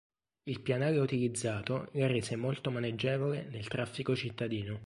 Il pianale utilizzato la rese molto maneggevole nel traffico cittadino.